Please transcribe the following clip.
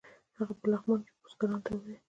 هغه په لغمان کې بزګرانو ته ویل.